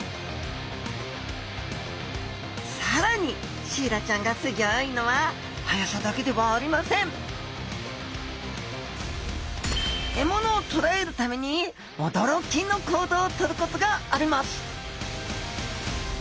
更にシイラちゃんがすギョいのは速さだけではありません獲物をとらえるために驚きの行動をとることがあります